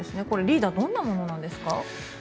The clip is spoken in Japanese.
これリーダーどんなものなんですか？